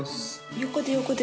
横で横で。